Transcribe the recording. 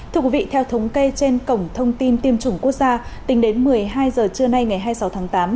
thưa quý vị theo thống kê trên cổng thông tin tiêm chủng quốc gia tính đến một mươi hai h trưa nay ngày hai mươi sáu tháng tám